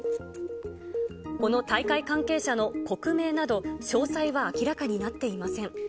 この大会関係者の国名など、詳細は明らかになっていません。